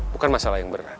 bukan masalah yang berat